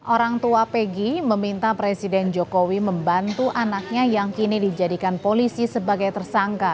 orang tua pegi meminta presiden jokowi membantu anaknya yang kini dijadikan polisi sebagai tersangka